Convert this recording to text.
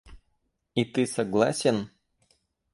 И ты согласен?